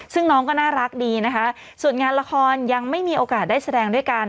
ซึ่งน้องก็น่ารักดีนะคะส่วนงานละครยังไม่มีโอกาสได้แสดงด้วยกัน